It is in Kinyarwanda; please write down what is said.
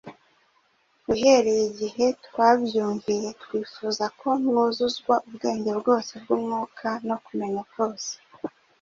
uhereye igihe twabyumviye, twifuza ko mwuzuzwa ubwenge bwose bw’Umwuka no kumenya kose